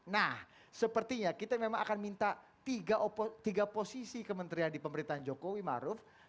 nah sepertinya kita memang akan minta tiga posisi kementerian di pemerintahan jokowi maruf